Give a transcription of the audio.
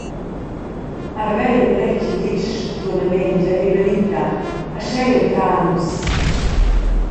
Arvei endretg igl esch, dunna Mengia Emerita, e schei entrar nus.